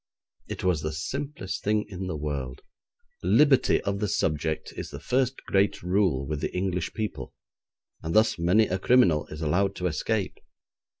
It was the simplest thing in the world. Liberty of the subject is the first great rule with the English people, and thus many a criminal is allowed to escape.